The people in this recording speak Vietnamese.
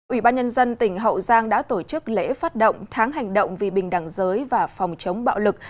ủy ban nhân dân tỉnh hậu giang đã tổ chức lễ phát động tháng hành động vì bình đẳng giới và phòng chống bạo lực